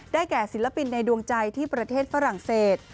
แก่ศิลปินในดวงใจที่ประเทศฝรั่งเศส